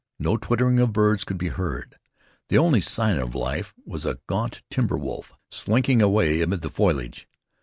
No twittering of birds could be heard. The only sign of life was a gaunt timber wolf slinking away amid the foliage.